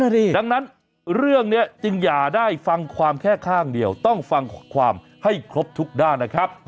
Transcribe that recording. ดังนั้นเรื่องนี้จึงอย่าได้ฟังความแค่ข้างเดียวต้องฟังความให้ครบทุกด้านนะครับ